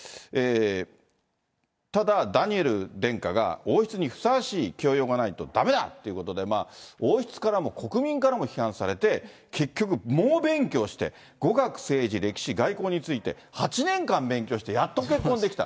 ただダニエル殿下が王室にふさわしい教養がないとだめだっていうことで、王室からも国民からも批判されて、結局、猛勉強して、語学、政治、歴史、外交について、８年間勉強して、やっと結婚できた。